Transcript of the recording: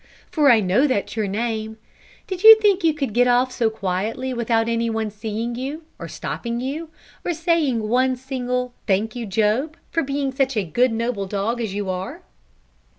for I know that's your name did you think you could get off so quietly without any one seeing you, or stopping you, or saying one single 'thank you, Job,' for being such a good noble dog as you are?